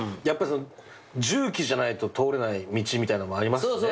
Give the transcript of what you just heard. やっぱ重機じゃないと通れない道みたいのもありますし。